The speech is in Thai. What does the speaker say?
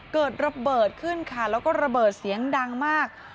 เกิดระเบิดขึ้นค่ะแล้วก็ระเบิดเสียงดังมาก